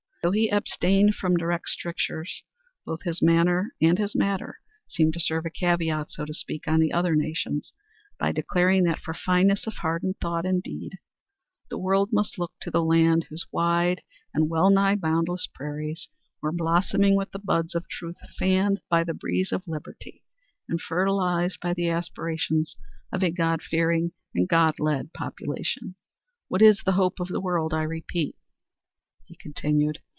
Though he abstained from direct strictures, both his manner and his matter seemed to serve a caveat, so to speak, on the other nations by declaring that for fineness of heart and thought, and deed, the world must look to the land "whose wide and well nigh boundless prairies were blossoming with the buds of truth fanned by the breeze of liberty and fertilized by the aspirations of a God fearing and a God led population. What is the hope of the world, I repeat?" he continued.